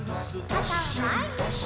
かたをまえに！